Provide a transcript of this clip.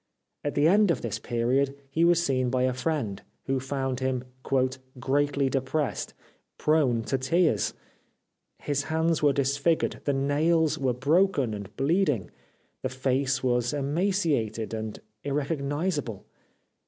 At the end of this period he was seen by a friend, who found him " greatly depressed," prone to tears. His hands were disfigured, the nails were broken and bleeding, the face was emaciated and irrecognisable.